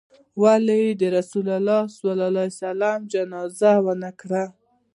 وايي رسول اکرم ص يې جنازه ونه کړه.